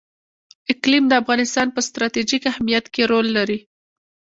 اقلیم د افغانستان په ستراتیژیک اهمیت کې رول لري.